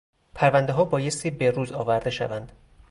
پروندهها بایستی به روز آورده شوند.